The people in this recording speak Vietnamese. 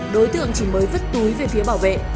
đối tượng chỉ mới vứt túi về phía bảo vệ